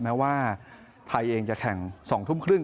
แม้ว่าไทยเองจะแข่ง๒ทุ่มครึ่ง